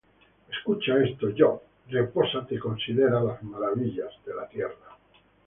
Escucha esto, Job; Repósate, y considera las maravillas de Dios.